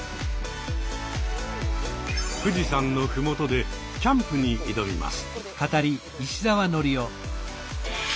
富士山の麓でキャンプに挑みます。